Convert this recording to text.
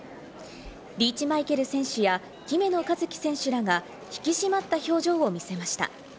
リーチ・マイケル選手や姫野和樹選手らが引き締まった表情を見せました。